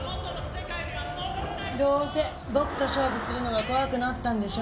どうせ僕と勝負するのが怖くなったんでしょ。